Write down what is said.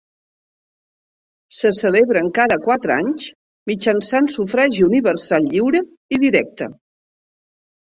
Se celebren cada quatre anys mitjançant sufragi universal lliure i directe.